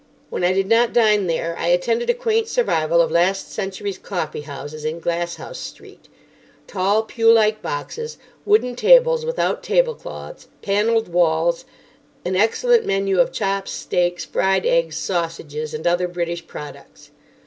When I did not dine there, I attended a quaint survival of last century's coffee houses in Glasshouse Street: Tall, pew like boxes, wooden tables without table cloths, panelled walls; an excellent menu of chops, steaks, fried eggs, sausages, and other British products.